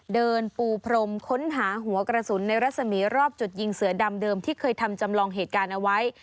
เดินปูพรมค้นหาหัวกระสุนในรัศมีร์รอบจุดยิงเสือดำเดิมที่เคยทำจำลองเหตุการณ์เอาไว้